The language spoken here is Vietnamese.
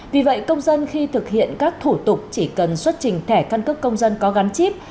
vì vậy công dân khi thực hiện các thủ tục chỉ cần xuất trình thẻ căn cước công dân có gắn chip